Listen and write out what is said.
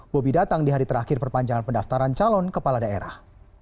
bobi datang di hari terakhir perpanjangan pendaftaran calon kepala daerah